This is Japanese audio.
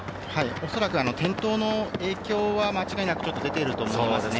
おそらく転倒の影響は間違いなく出ていると思いますね。